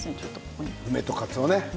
梅とかつおね。